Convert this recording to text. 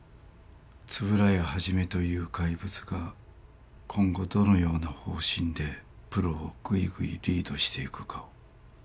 円谷一という怪物が今後どのような方針でプロをぐいぐいリードしていくかを。